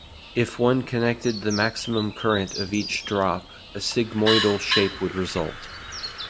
If one connected the maximum current of each drop, a sigmoidal shape would result.